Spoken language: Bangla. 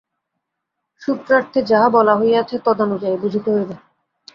সূত্রার্থে যাহা বলা হইয়াছে, তদনুযায়ী বুঝিতে হইবে।